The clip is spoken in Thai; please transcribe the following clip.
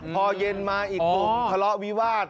พอเย็นมาอีกกลุ่มทะเลาะวิวาส